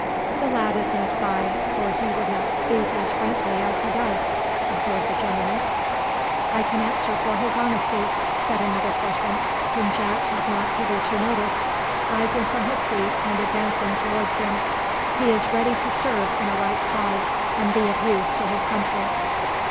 "The lad is no spy, or he would not speak as frankly as he does," observed the gentleman. "I can answer for his honesty," said another person, whom Jack had not hitherto noticed, rising from his seat and advancing towards him. "He is ready to serve in a right cause and be of use to his country."